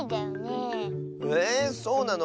えそうなの？